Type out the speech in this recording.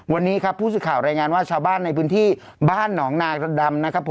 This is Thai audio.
วันนี้พูดสุดข่าวรายงานว่าชาวบ้านในพื้นที่บ้านน้องนาฬดำ